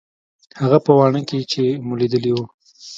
هغه په واڼه کښې چې مو ليدلي وو.